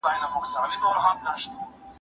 ګاونډیانو بیلچې په ځمکه کېښودلې.